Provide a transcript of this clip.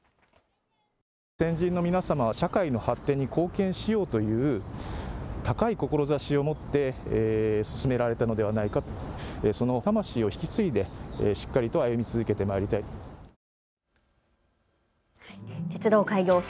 先人の皆様は社会の発展に貢献しようという高い志を持って進められたのではないかと魂を受け継いで歩みを続けたいです。